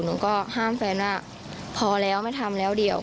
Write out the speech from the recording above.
หนูก็ห้ามแฟนว่าพอแล้วไม่ทำแล้วเดี๋ยว